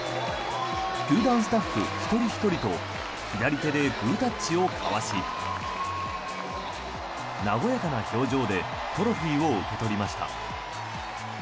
球団スタッフ一人ひとりと左手でグータッチを交わし和やかな表情でトロフィーを受け取りました。